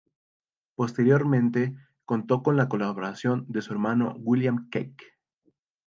Posteriormente contó con la colaboración de su hermano William Keck.